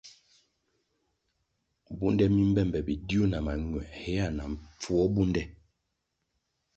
Bunde mi mbe be bidiu na mañuē héa na mpfuo bunde.